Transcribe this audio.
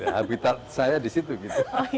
habitat saya di situ gitu